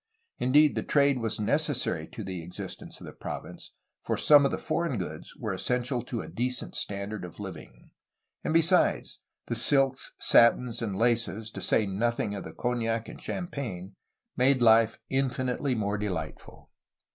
Indeed, the trade was necessary to the existence of the province, for some of the foreign goods were essential to a decent standard of living, — and besides, the silks, satins, and laces, to say nothing of the cognac and champagne, made life infinitely more deUghtful.